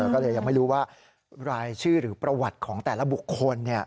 ก็เลยยังไม่รู้ว่ารายชื่อหรือประวัติของแต่ละบุคคล